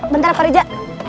bentar pak rija